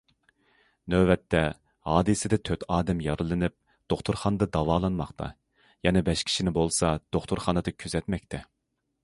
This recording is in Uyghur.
نۆۋەتتە، ھادىسىدە تۆت ئادەم يارىلىنىپ دوختۇرخانىدا داۋالانماقتا، يەنە بەش كىشىنى بولسا دوختۇرخانىدا كۆزەتمەكتە.